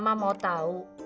mama ingin tahu